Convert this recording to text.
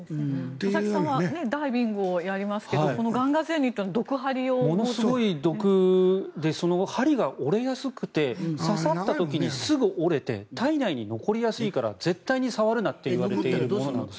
佐々木さんはダイビングをやりますがこのガンガゼウニというのはものすごい毒でその針が折れやすくて刺さった時にすぐ折れて体内に残りやすいから絶対に触るなと言われているんです。